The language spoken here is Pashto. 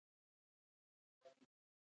لیسټرډ وویل چې نه کومه خاصه خبره نشته.